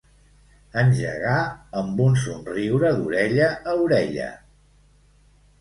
Engegà, amb un somriure d'orella a orella—.